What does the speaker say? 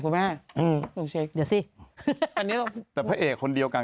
คุณแม่อืมลุงเช็คเดี๋ยวสิอันนี้แต่พระเอกคนเดียวกัน